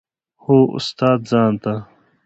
هو استاده ځان ته.